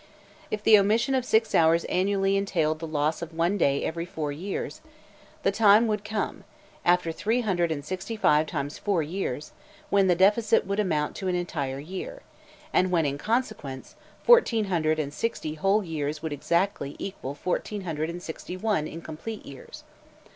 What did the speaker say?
If the omission of six hours annually entailed the loss of one day every four years, the time would come, after three hundred and sixty five times four years, when the deficit would amount to an entire year, and when, in consequence, fourteen hundred and sixty whole years would exactly equal fourteen hundred and sixty one incomplete years.